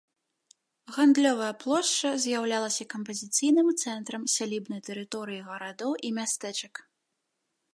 Гандлёвая плошча з'яўлялася кампазіцыйным цэнтрам сялібнай тэрыторыі гарадоў і мястэчак.